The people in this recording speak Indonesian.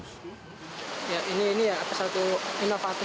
ini satu inovatif baru di daerah depok jadi satu usaha yang menarik